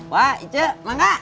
wah icu mangga